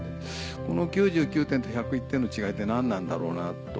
この９９点と１０１点の違いって何なんだろうなと。